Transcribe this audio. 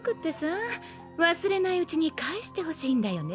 忘れないうちに返してほしいんだよね